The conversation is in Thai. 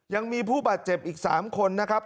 ยังมีผู้บาดเจ็บอีก๓คนนะครับ